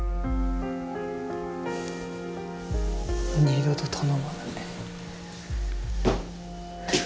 二度と頼まない。